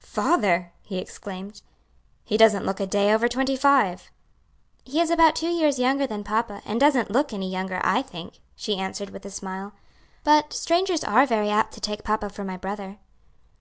"Father!" he exclaimed, "he doesn't look a day over twenty five." "He is about two years younger than papa and doesn't look any younger, I think," she answered with a smile. "But strangers are very apt to take papa for my brother."